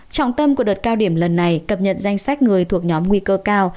trọng tâm của đợt cao điểm lần này cập nhật danh sách người thuộc nhóm nguy cơ cao